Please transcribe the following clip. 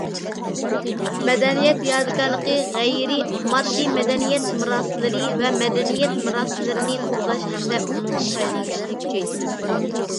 مەدەنىيەت يادىكارلىقى، غەيرىي ماددىي مەدەنىيەت مىراسلىرى ۋە مەدەنىيەت مىراسلىرىنى قوغداش ھەمدە ئۇنىڭدىن پايدىلىنىشنى كۈچەيتىمىز.